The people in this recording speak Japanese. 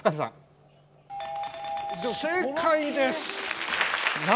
正解です。